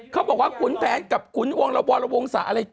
เขาบอกว่าขุนแผนกับขุนวงระวรวงศะอะไร